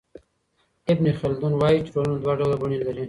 ابن خلدون وايي چي ټولنه دوه ډوله بڼې لري.